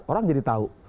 orang jadi tahu